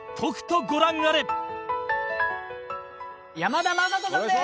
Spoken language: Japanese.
山田雅人さんです！